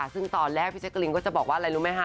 ซึ่งตอนแรกพี่แจ๊กรีนก็จะบอกว่าอะไรรู้ไหมคะ